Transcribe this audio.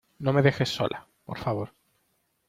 no me dejes sola, por favor.